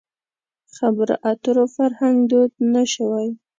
خبرو اترو فرهنګ دود نه شوی.